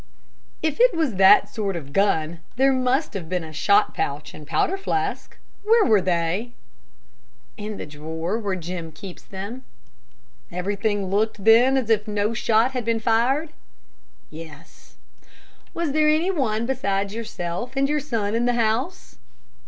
"If it was that sort of gun, there must have been a shot pouch and powder flask. Where were they?" "In the drawer where Jim keeps them." "Everything looked, then, as if no shot had been fired?" "Yes." "Was there any one besides yourself and your son in the house?"